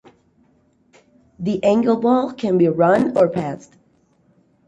The Angleball can be run or passed.